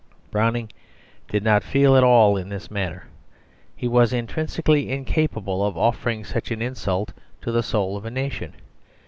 Browning did not feel at all in this manner; he was intrinsically incapable of offering such an insult to the soul of a nation.